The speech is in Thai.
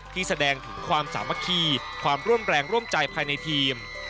แสดงถึงความสามัคคีความร่วมแรงร่วมใจภายในทีม